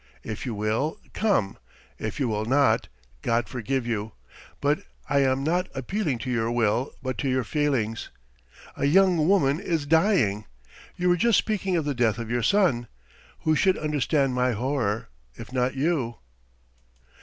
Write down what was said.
If you will, come; if you will not God forgive you; but I am not appealing to your will, but to your feelings. A young woman is dying. You were just speaking of the death of your son. Who should understand my horror if not you?"